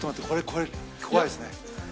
これ怖いですね。